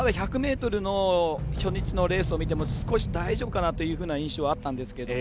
ただ、１００ｍの初日のレースを見ても少し大丈夫かなという印象があったんですが。